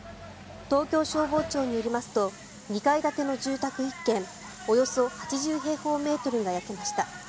東京消防庁によりますと２階建ての住宅１軒およそ８０平方メートルが焼けました。